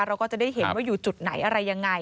เราก็จะได้เห็นว่าอยู่จุดไหนอะไรยังไง